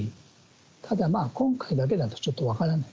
ただ、今回だけだとちょっと分からない。